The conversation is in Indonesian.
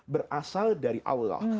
berasal dari allah